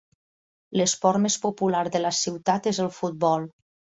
L'esport més popular de la ciutat és el futbol.